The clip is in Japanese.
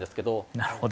なるほど。